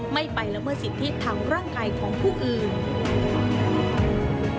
ไม่ไปละเมิดสิทธิทางร่างกายของผู้อื่น